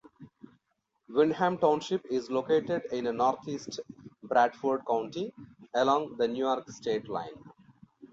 Windham Township is located in northeast Bradford County, along the New York state line.